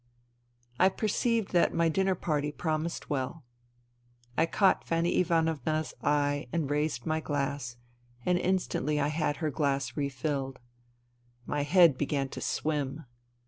I perceived that my dinner party promised well. I caught Fanny Ivanovna's eye and raised my glass ; and instantly I had her glass refilled. My head began to swim.